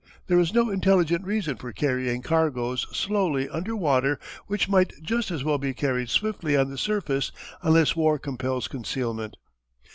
There is no intelligent reason for carrying cargoes slowly under water which might just as well be carried swiftly on the surface unless war compels concealment.